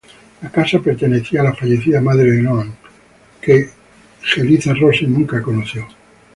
La casa pertenecía a la fallecida madre de Noah, que Jeliza-Rose nunca conoció.